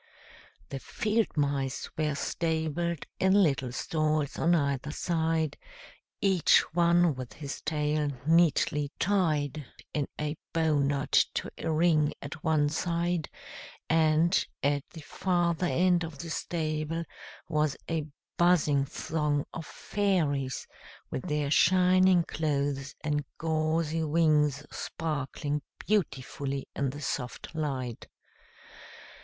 The field mice were stabled in little stalls on either side, each one with his tail neatly tied in a bow knot to a ring at one side; and, at the farther end of the stable was a buzzing throng of fairies, with their shining clothes and gauzy wings sparkling beautifully in the soft light.